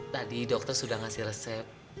tadi dokter sudah ngasih resep